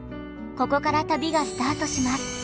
ここから旅がスタートします。